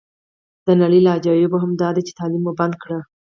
د نړۍ له عجایبو یوه هم داده چې تعلیم مو بند کړی.